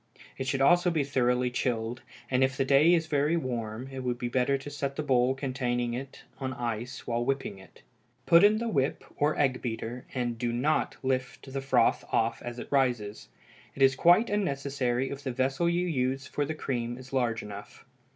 It should also be thoroughly chilled, and if the day is very warm it would be better to set the bowl containing it on ice while whipping it. Put in the whip, or egg beater, and do not lift the froth off as it rises; it is quite unnecessary if the vessel you use for the cream is large enough.